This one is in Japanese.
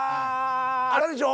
あるでしょ？